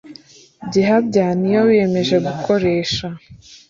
by’ihabya n’iyo bimenyereje gukoresha.